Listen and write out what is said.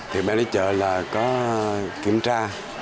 thì bên đấy chợ là có kiểm tra